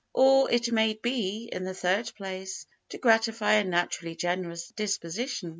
Or, it may be, in the third place, to gratify a naturally generous disposition.